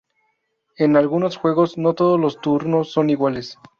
En algunos juegos, no todos los turnos son iguales.